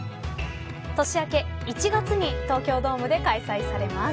年明け１月に東京ドームで開催されます。